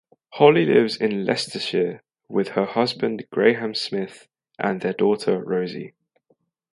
Holly lives in Leicestershire with her husband Graham Smith and their daughter Rosie.